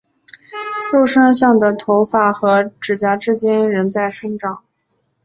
肉身像的头发和指甲至今仍在生长。